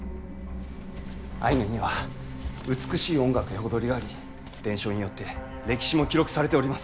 アイヌには美しい音楽や踊りがあり伝承によって歴史も記録されております。